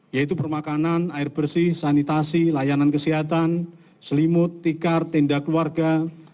yaitu permakanan air bersih sanitasi layanan kesehatan selimut tikar tenda keluarga